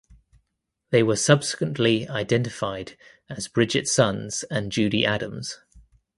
They were subsequently identified as Bridget Sons and Judy Adams.